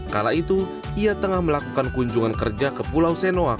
kala itu ia tengah melakukan kunjungan kerja ke pulau senoa